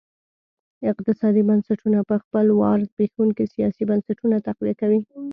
اقتصادي بنسټونه په خپل وار زبېښونکي سیاسي بنسټونه تقویه کوي.